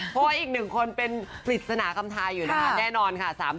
เพราะอีก๑คนเป็นฝีดษณะคำทายอยู่นะคะแน่นอนก่อนค่ะ